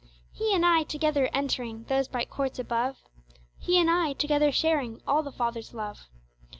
He and I together entering Those bright courts above, He and I together sharing All the Fathers love.